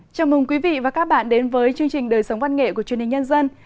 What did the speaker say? chào mừng quý vị và các bạn đến với chương trình đời sống văn nghệ của truyền hình nhân dân